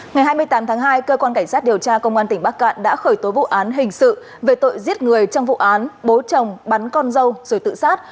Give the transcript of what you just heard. ngày hai mươi tám tháng hai cơ quan cảnh sát điều tra công an tỉnh bắc cạn đã khởi tố vụ án hình sự về tội giết người trong vụ án bố chồng bắn con dâu rồi tự sát